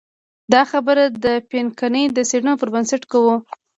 دا خبره د پینکني د څېړنو پر بنسټ کوو.